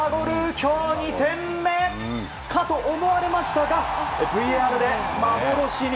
今日２点目かと思いましたがＶＡＲで幻に。